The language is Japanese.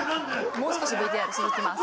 「もう少しＶＴＲ続きます」